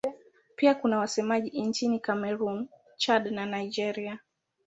Pia kuna wasemaji nchini Kamerun, Chad na Nigeria.